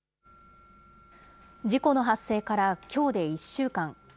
事故の発生からきょうで１週間。